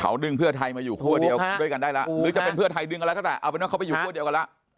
เขาดึงเพื่อไทยมาอยู่คั่วเดียวด้วยกันได้แล้วหรือจะเป็นเพื่อไทยดึงอะไรก็แต่เอาเป็นว่าเขาไปอยู่คั่วเดียวกันแล้ว